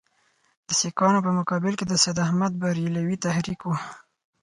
د سیکهانو په مقابل کې د سید احمدبرېلوي تحریک وو.